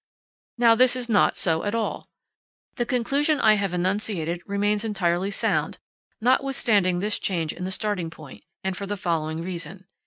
Now, this is not so at all. The conclusion I have enunciated remains entirely sound, notwithstanding this change in the starting point, and for the following reason.